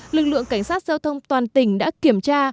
lực lượng cảnh sát giao thông toàn tỉnh đã kiểm tra